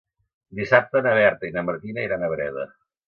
Dissabte na Berta i na Martina iran a Breda.